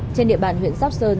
trên địa bàn huyện sóc sơn